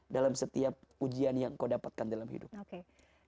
dalam setiap ujian yang kau dapatkan dalam hidupmu